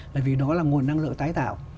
là vì đó là nguồn năng lượng tái tạo